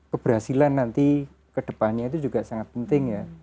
keberhasilan nanti kedepannya itu juga sangat penting ya